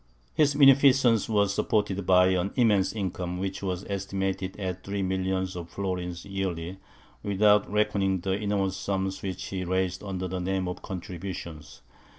His munificence was supported by an immense income, which was estimated at three millions of florins yearly, without reckoning the enormous sums which he raised under the name of contributions.